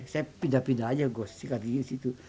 saya pindah pindah aja gue sikat sikat di situ